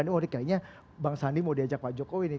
ini orang kayaknya bang sandi mau diajak pak jokowi nih